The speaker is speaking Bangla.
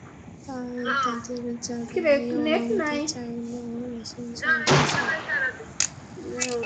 তাই তাদের যারাই অনুমতি চাইল রাসূল সাল্লাল্লাহু আলাইহি ওয়াসাল্লাম তাদের অনুমতি দিলেন।